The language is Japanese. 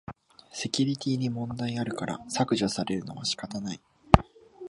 セキュリティに問題あるから削除されるのはしょうがない